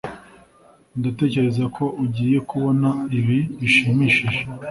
ndatekereza ko ugiye kubona ibi bishimishije